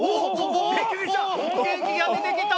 元気が出てきた！